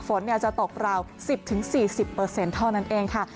ฝนจะตกราวสิบถึงสี่สิบเปอร์เซ็นต์เท่านั้นเองค่ะ